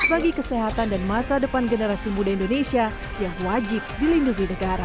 bagi kesehatan dan masa depan generasi muda indonesia yang wajib dilindungi negara